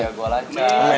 supaya gue lancar